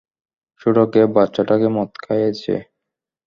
ছোটকে বাচ্ছাটাকে মদ খাইয়েছে।